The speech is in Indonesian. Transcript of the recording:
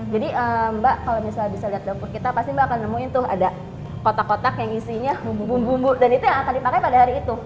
jadi mbak kalau bisa lihat dapur kita pasti mbak akan nemuin tuh ada kotak kotak yang isinya bumbu bumbu dan itu yang akan dipakai pada hari itu